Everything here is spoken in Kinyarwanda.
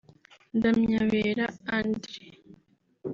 Ndamyabera Andre